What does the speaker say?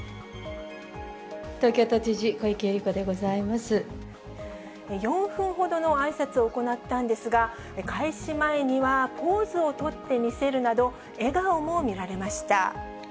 東京都知事、小池百合子でご４分ほどのあいさつを行ったんですが、開始前にはポーズをとって見せるなど、笑顔も見られました。